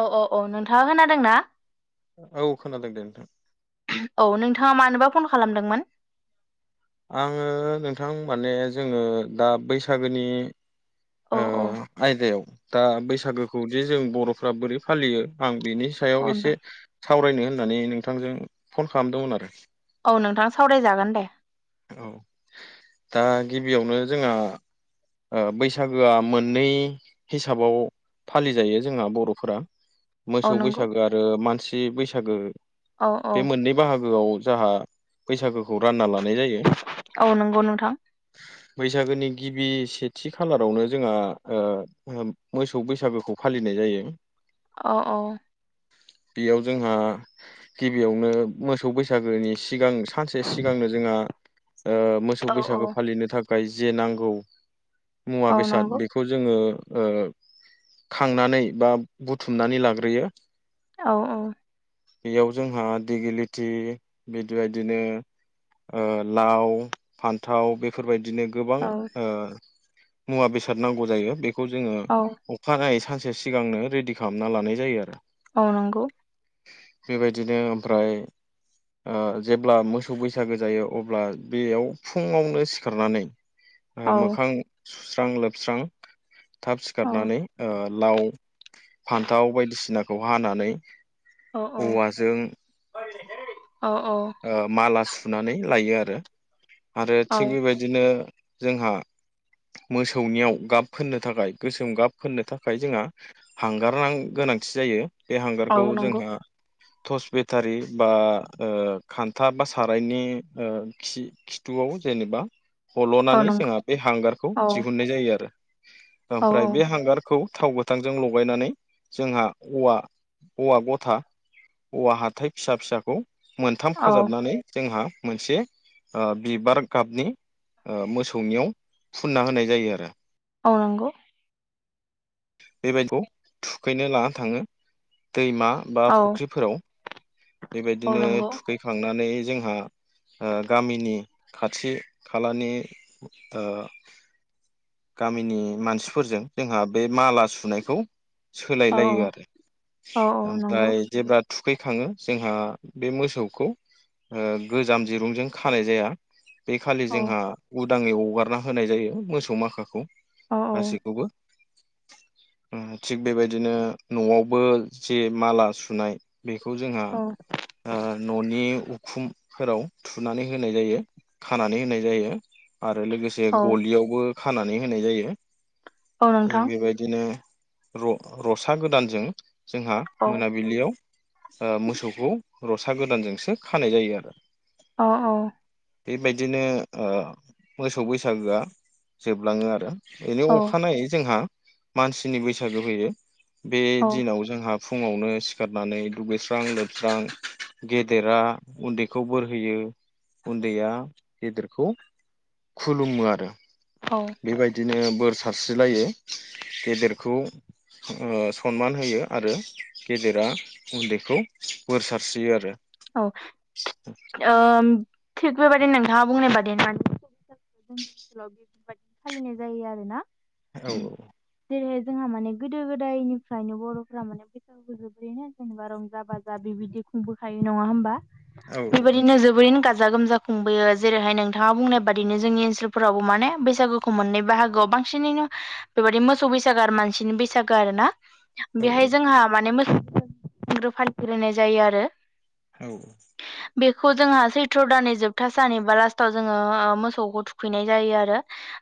औ औ औ नोंथाङा खोनादोंना। औ खोनादों दे बुं। औ नोंथाङा मानोबा फन खालामदोंमोन? आङो नोंथां माने जोङो दा बैसागोनि औ ओ औ आयदायाव दा बैसागोखौ जे जों बर'फ्रा बोरै फालियो आं बेनि सायाव औ नोंथां एसे सावरायनो होननानै नोंथांजों फन खालामदोंमोन आरो। औ नोंथां सावराय जागोन दे। औ दा गिबियावनो जोंहा ओ बैसागोआ मोननै हिसाबाव फालि जायो जोंहा बर'फोरा। औ मोसौ नंगौ बैसागो आरो मानसि बैसागो औ औ बे मोननै बाहागोआव। जोंहा बैसागोखौ रानना लानाय जायो औ नंगौ नोंथां बैसागोनि गिबि सेथि खालारावनो जोंहा ओ मोसौ बैसागुखौ फालिनाय जायो। औ औ। बेयाव जोंहा गिबियावनो मोसौ बैसागोनि सिगां सानसे सिगां जोंहा ओ मोसौ औ औ बैसागो फालिनो थाखाय जे नांगौ मुवा औ बेसाद नंगौ बेखौ जोङो। ओ खांनानै बा बुथुमनानै लाग्रोयो। औ औ। बेयाव जोंहा टिगिलिटि बिदिबायदिनो ओ लाव फान्थाव बेफोर बायदिनो गोबां औ ओ मुवा बेसाद नांगौ जायो बेखौ जोङो औ अखानायै सानसे से सिगांनो रेडि खालामना लानाय जायो आरो। औ नंगौ। बेबायदिनो ओमफ्राय ओ जेब्ला मोसौ बैसागो जायो अब्ला बेयाव फुङावनो सिखारनानै औ मोखां सुस्रां लोबस्रां। थाब औ सिखारनानै ओ लाव फान्थाव बायदिसिनाखौ हानानै औ औवाजों औ ओ माला सु सुनानै लायो आरो आरो औ थिग बेबायदिनो जोंहा मोसौनियाव गाब फोननो थाखाय गोसोम गाब फोननो थाखाय जोंहा हांगार गोनां। गोनांथि जायो बे औ हांगारखौ नंगौ जोंहा टर्स बेटारि बा ओ खान्था बा सारायनि ओ खि-खिथुआव जेनेबा औ हल'नानै नंगौ जोंहा बे हांगारखौ औ दिहुननाय जायो आरो औ ओमफ्राय बे हांगारखौ थाव गोथांजों लगायनानै जोंहा औवा औवा गथा औवा हाथाय फिसा फिसाखौ मोनथाम औ खाजाबनानै जोंहा मोनसे ओ बिबार गाबनि ओ मोसौनियाव फुनना होनाय जायो आरो। औ नंगौ। बेबायखौ थुखैनो लाना थाङो। दैमा बा औ फुख्रिफोराव औ बेबायदिनो नंगौ थुखैखांनानै जोंहा ओ गामिनि खाथि खालानि ओ गामिनि मानसिफोरजों जोंहा बे माला सुनायखौ औ सोलायलायो आरो औ औ नंगौ ओमफ्राय जेब्ला थुखैखाङो जोंहा बे मोसौखौ ओ गोजाम दिरुंजों खानाय जाया। बे खालि औ जोंहा उदाङै हगारना होनाय जायो मोसौ माखाखौ औ गासैखौबो। उम थिग बेबायदिनो न'आवबो जे माला सुनाय बेखौ जोंहा औ ओ न'नि उखुमफोराव थुनानै होनाय जायो खानानै होनाय जायो। आरो लोगोसे औ गलियावबो खानानै होनाय जायो औ थिक नोंथां बेबायदिनो र-रसा गोदानजों जोंहा औ मोनाबिलियाव ओ मोसौखौ रसा गोदानजोंसो खानाय जायो आरो। अ औ। बेबायदिनो ओ मोसौ बैसागोआ जोबलाङो आरो। बेजों औ अखानायै जोंहा मानसिनि बैसागु होयो बे औ दिनाव जोंहा फुङावनो सिखारनानै दुगैस्रां लोबस्रां गेदेरा उन्दैखौ बोर होयो उन्दैया गेदेरखौ खुलुमो आरो औ बेबायदिनो बोर सारस्रिलायो गेदेरखौ ओ सनमान होयो आरो गेदेरा उन्दैखौ बोर सारस्रियो आरो। औ ओम थिग बेबादिनो नोंथाङा बुंनाय बादि मोन। जोंनि ओनसोलाव बेफोरबायदि फालिनाय जायो आरो ना। औ औ जेरैहाय जोंहा माने गोदो गोदायनिफ्रायनो बर'फ्रा माने बैसागु जोबोरैनो जेनेबा रंजा बाजा बिदि खुंबोखायो नङा होमबा औ बेबायदिनो जोबोरैनो गा जा गोमजा खुंबोयो जेरैहाय नोंथाङा बुंनाय बादिनो जोंनि ओनसोलफोरावबो माने बैसागुखौ मोननै बाहागोआव बांसिनैनो बेबायदि मोसौ बैसागो आरो मानसिनि बैसागो आरो ना। औ बेहाय जोंहा माने मोस फाफेर होनाय जायो आरो। औ बेखौ जोंहा सैथ्र' दाननि जोबथा सान एबा लास्टाव जोङो ओ मोसौखौ थुखैनाय जायो आरो।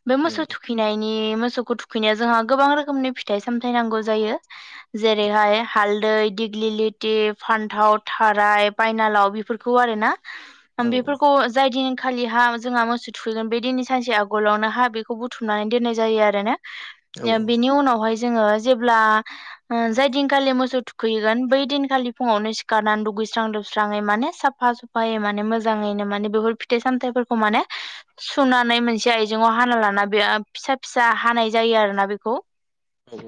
बे मोसौ थुखैनाय ए मोसौखौ थुखैनाया जोंहा गोबां रोखोमनि फिथाइ सामथाय नांगौ जायो जेरैहाय हाल दै दिग्लिलिथि फान्थाव था खाराय बायनालाव बेफोरखौ आरोना औ बेफोरखौ जाय दिन खालि हा जोंहा मोसौ थुखैगोन बे दिननि सानसे आगलावनो हा बेखौ बुथुमनानै दोननाय जायो आरो ना। औ ए बिनि उनावहाय जोङो जेब्ला ओ जाय दिनखालि मोसौ थुखैैगोन बै दिनखालि फुङावनो सिखारनानै द गुइस्रां लोबस्राङै माने साफा सुफायै माने मोजाङैनो माने बेफोर फिथाइ सामथाइफोरखौ माने सुनानै मोनसे आयजेङाव हाना लाना बे फिसा फिसा हानाय जायो आरोना बेखौ। उम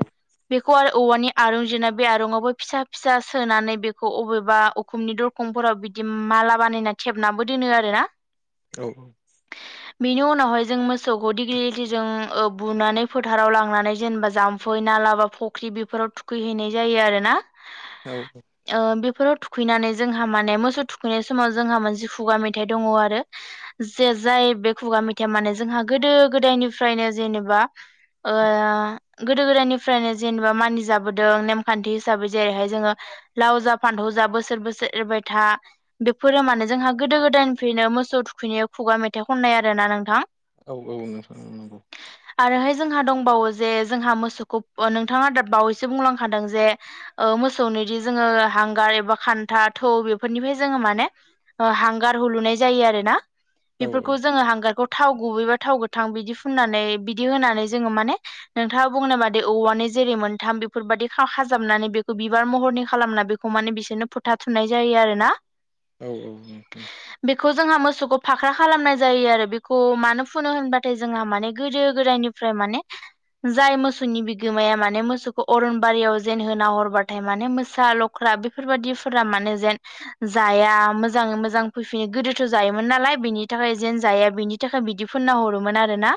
बेखौ आरो औवानि आरुं जिरना बे आरुंआवबो फिसा फिसा सोनानै बेखौ अबेबा उ खुमनि दरखंफोराव बिदि माला बानायना थेबनाबो दोनो आरो ना। औ बिनि उनावहाय जों मोसौखौ डिग्लि लितिजों ओ बुनानै फोथाराव लांनानै जेनेबा जाम्फै नाला बा फख्रि बेफोराव थुखैहैनाय जायो आरोना औ ओ बेफोराव थु खैनानै जोंहा माने मोसौ थुखैनाय समाव जोंहा मोनसे खुगा मेथाइ दङ आरो जे जाय बे खुगा मेथाइया माने जोंहा गोदो गोदायनिफ्रायनो जेनेबा ओ गोदो गोदायनिफ्रायनो जेनेबा मानिजाबोदों नेमखान्थि हिसाबै जेरैहाय जोंङो लाव जा फान्थाव जा बो सोर बोसोर एरबाय था बेफोर माने जोंहा गोदो गोदायनिफ्रायनो मोसौ थुखैनायाव खुगा मेथाइ खन नाय आरो ना नोंथां? औ औ नोंथां औ नंगौ। आरोहाय जोंहा दंबावो जे जोंहा मोसौखौ नोंथांङा दा बावैसो बुंलांखादों जे मोसौनि बिदि जोंङो हांगार एबा खान्था थौ बेफोरनिफ्राय जोंङो माने हांगार हुलुनाय जायो आरो ना। औ बेफोरखौ जोंङो हांगारखौ थाव गुबैबा थाव गोथां बिदि फुननानै बिदि होनानै जोंङो माने नोंथांङा बुंनाय बादि औवानि जेरै मोनथाम बेफोरबायदि खाजाबनानै बेखौ बिबार महरनि खालामना बेखौ माने बिसोरनो फुथा थुमनाय जायो आरोना। औ बेखौ जोंहा मोसौखौ फाख्रा खालामनाय जायो आरो बेखौ मानो फुनो होनबाथाय जोंहा माने गोदो गोदायनिफ्राय माने जाय मोसौनि बिगोमाया माने मोसौखौ अरनबारियाव जेन होना हरबाथाय माने मोसा लख्रा आ बेफोरबायदि फोरा मानो जेन जाया मोजांङै मोजां फैफिनो गोदोथ' जायोमोन नालाय बेनि थाखाय जेन जाया बिनि थाखाय बिदि फुनना हरोमोन आरोना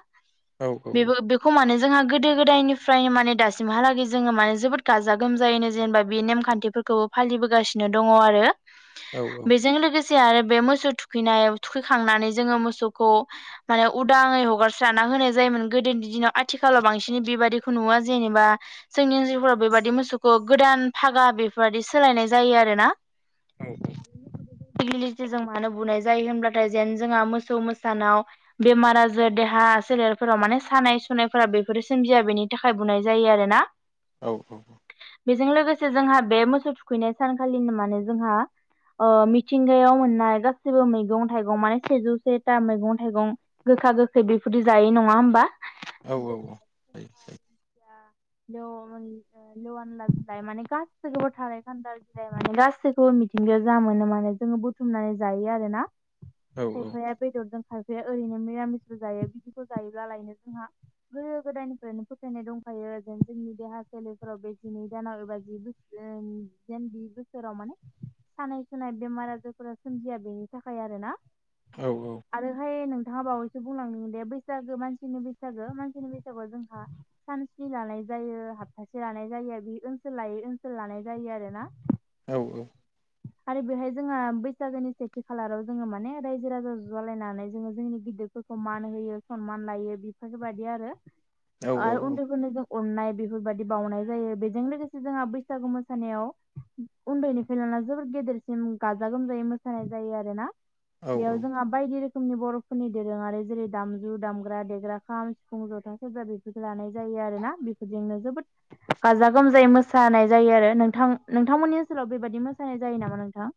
औ बेबो बेखौ मानो जोंहा गोदो गोदायनिफ्रायनो माने दासिमहालागै जोंङो माने जोबोद गाजा गोमजायैनो जेनेबा बे नेमखान्थिफोरखौ फालिबोगासिनो दंङ आरो औ औ औ बेजों लोगो से आरो बे मोसौ थुखैनायाव थुखैखांनानै जोंङो मोसौखौ माने उदांङै हगारस्राना होनाय जायोमोन गोदोनि दिनाव आथिखालाव बांसिन बेबादिखौ नुवा जेनेबा जोंनि ओनजोलफोराव बेबादि मोसौखौ गोदान फागा बेफोरबायदि सोलायनाय जायो आरो ना । औ डिग्लि लितिजों मानो बुनाय जायो होब्लाथाय जेन जोंहा मोसौ मोसानाव बेमार आजोर देहा सोलेरफोराव माने सानाय सुनायफोरा बेफोरो सोमजिया बेनि थाखाय बुंनाय जायो आरोना । औ औ बेजों लोगोसे जोंहा बे मोसौ थुखैनाय सानखालिनो माने जोंहा ओ मिथिंगायाव मोननाय गासिबो मैगं थाइगं माने सेजौ सेथा मैगं थाइगं गो गोखा गोखै बेफोरदि जायो नंङा होमबा औ औ जायो जायो लआनिफाय ल आनला बिलाय माने गासैखौबो थानाय खान्दाल बिलाय माने गासैखौबो मिथिंगायाव जा मोनो माने जोंङो बुथुमनानै जायो आरोना खायफाया बेदरजों खाय जे ओरैनो निरामिसफोर जायो बिदिखौ जायोब्लालायनो जोंहा गोदो गोदायनिफ्रायनो फोथायनाय दंखायो जोंनि देहा सोलेरफोराव बे जिनै दानाव एबा जि बोसोर जेन बि बोसोराव माने सानाय सुनाय बेमार आजारफोरा सोमजिया बेनि थाखाय आरो ना आरोहाय नों थांङा बावैसो बुंलांदों दे बैसागो मानसिनि बैसागो मानसिनि बैसागोआव जोंहा सान स्नि लानाय जायो हाबथासे लानाय जायो बे ओनसोल लायै ओनसोल लानाय जायो आरो ना । औ औ आरो बेहाय जोंहा बैसागोनि सेथि खालाराव जोंङो माने रायजो राजा ज' जालायनानै जोङो जोंनि गिदिरफोर सन्मान होयो सन्मान लायो बेफोरबायदि आरो आरो उन्दैफोरनो जों अननाय बेफोरबायदि बावनाय जायो बेजों लोगोसे जोंहा बैसागु मोसानायाव उन्दैनिफाय लाना जोबोर गेदेरसिम गाजा गोमजायै मोसानाय जायो आरो ना औ । औ बेयाव जोंहा बायदि रोखोमनि बर' फोरनि दोरोङारि जेरै दामजु दामग्रा देग्रा खाम सिफुं जथा सेरजा बेफोरखौ लानाय जायो आरो ना । बेफोरजोंनो जोबोद गाजा गोमजायै मोसानाय जायो आरो नोंथां नोंथांमोननि ओनसोलाव बेबायदि मोसानाय जायो नामा नोंथां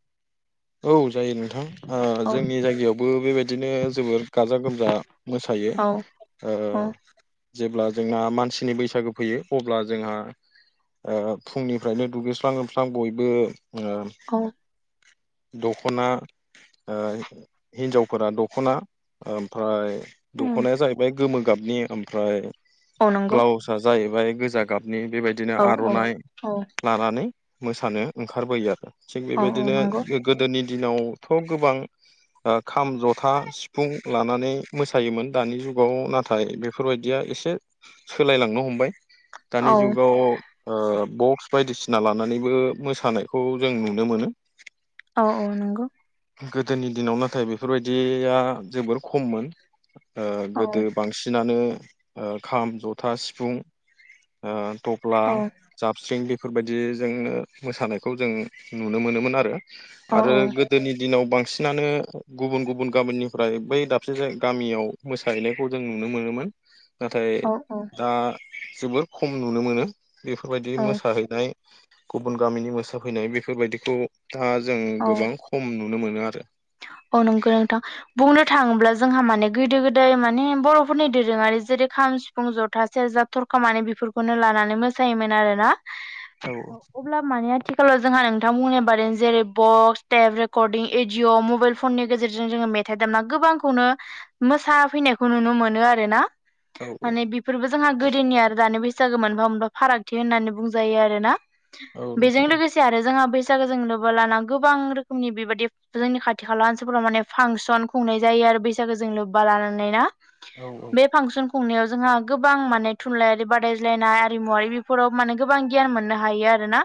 औ जायो नोंथां औ जोंनि जायगायावबो बेबायदि बिदिनो जोबोर गाजा गोमजा मोसायो औ औ जेब्ला जोंहा मानसिनि बैसागो फैयो अब्ला जोंहा फुंनिफ्रायनो दुगैस्लां लोबस्लां बयबो औ दख'ना हिन्जावफोरा दख'ना ओमफ्राय उम दखनाया जाहैबाय गोमो गाबनि ओमफ्राय औ नंगौ ब्लाउसआ जाहैबाय गोजा गाब नि बेबायदिनो औ औ आर'नाइ औ लानानै मोसानो ओंखारबोयो आरो थिग औ औ बेबायदिनो नंगौ गोदोनि दिनावथ' गोबां खाम जथा सिफुं लानानै मोसायोमोन दानि जुगाव नाथाय बेफोरबायदिया एसे सोलायलांनो हमबाय दानि औ जुगाव बक्स बायदिसिना लानानैबो मोसानायखौ जों नुनो मोनो औ औ नंगौ गोदोनि दिनाव नाथाय बेफोरबायदिया जोबोर खममोन औ गोदो बांसिनानो खाम जथा सिफुं थफ्ला औ जाबस्रिं बे बेफोरबायदिजोंनो मोसानायखौ जों नुनो मोनोमोन आरो औ आरो गोदोनि दिनाव बांसिन सिनानो गुबुन गुबुन गामिनिफ्राय बै दाबसे जाय गामियाव मोसाहैनायखौ जों नुनो मोनोमोन नाथाय औ दा जोबोर खम नुनो मोनो बेफोरबायदि मोसाहैनाय गुबुन गामिनि मोसाफैनाय बेफोरबायदिखौ दा जों औ गोबां खम नुयो नुनो मोनो आरो औ नंगौ नोंथां बुंनो थाङोब्ला जोंहा माने गोदो गोदाय माने बर'फोरनि दोरोङारि जेरै खाम सिफुं जथा सेरजा थरखा माने बेफोरखौनो लानानै [inaudible] आथिखालाव जोंहा नोंथां बुंनाय बादि जेरै बक्स टेप रेकर्डिं जिवाव मबाइल फननि गेजेरजों जोङो मेथाइ दामना गोबांखौनो मोसाफैनायखौ नुनो मोनो आरोना। औ माने बेफोरबो जोंहा गोदोनि आरो दानि बेसे मोनफा मोनफा फारागथि होननानै बुंजायो आरोना औ नोंथां बेजों लोगोसे आरो जोंहा फैसाखौ जों लोबबा लाना गोबां रोखोमनि बेबायदि जोंनि खाथि खाला ओनसोलफोराव माने फांसन खुंनाय जायो आरो बैसागो जों लोब्बा लानानै ना औ नोंथां बे फांसन खुंनायाव जोंहा गोबां माने थुनलाइयारि बादायज्लायनाय आरिमुवारि बेफोराव माने गोबां गियान मोननो हायो आरोना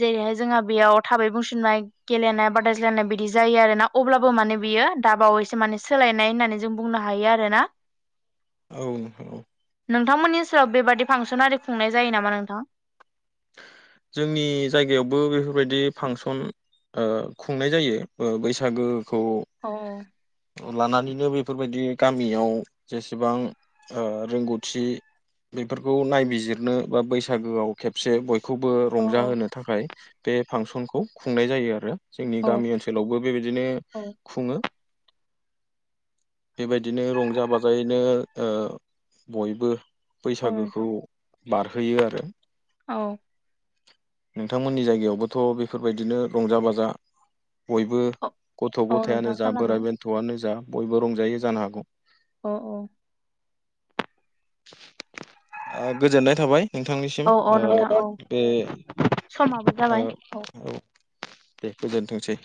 जेरैहाय जोंहा बेयाव थाबै बुंसिननाय गेलेनाय बादायलायनाय बिदि जायो आरोना अब्लाबो माने बियो दाबावैसो माने सोलायनाय होननानै जों बुंनो हायो आरोना। औ नोंथां औ नोंथांमोननि सेराव बेबादि फांसन आरि खुंनाय जायो नामा नोंथां जोंनि जायगायावबो बेफोरबायदि फांसन खुंनाय जायो बैसागो अ लानानैनो बेफोरबायदि गामियाव जेसेबां रोंगौथि बेफोरखौ नायबिजिरनो बा बैसागोआव खेब खेबसे बयखौबो औ रंजाहोनो थाखाय बे फांसनखौ खुंनाय जायो आरो जोंनि औ गामि ओनसोलावबो बेबायदिनो औ खुङो बेबायदिनो रंजा बाजायैनो बयबो औ बैसागोखौ नोंथां बारहोयो आरो। औ नोंथांमोननि जायगायावबोथ' बेफोरबायदिनो रंजा बाजा बयबो गथ' औ गथायानो नोंथां जा खालामो बोराइ बेन्थ'आनो जा बयबो रंजायो जानो हागौ औ औ ओ गोजोननाय थाबाय नोंथांनिसिम औ औ नोंथां औ समाबो जाबाय औ [inaudible] दे गोजोनथोंसै।